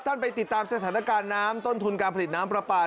ไปติดตามสถานการณ์น้ำต้นทุนการผลิตน้ำปลาปลา